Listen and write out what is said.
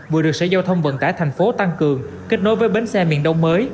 vừa được sở giao thông vận tải tp hcm tăng cường kết nối với bến xe miền đông mới